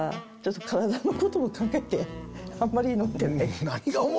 体のことを考えてあんまり飲んでない。